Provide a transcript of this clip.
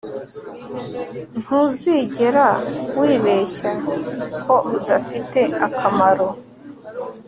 ntuzigera wibeshya ko udafite akamaro